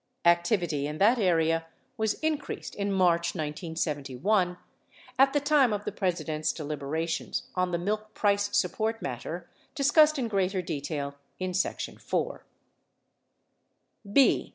Activity in that area was increased in March 1971, at the time of the President's deliberations on the milk price sup port matter, discussed in greater detail in section IV. B.